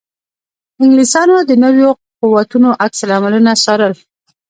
انګلیسیانو د نویو قوتونو عکس العملونه څارل.